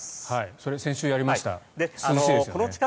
それ、先週やりました。